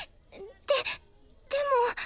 でっでも。